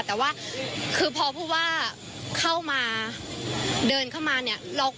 แต่ว่าคือพอผู้ว่าเข้ามาเดินเข้ามาเนี่ย